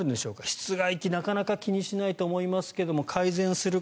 室外機、なかなか気にしないと思いますが改善する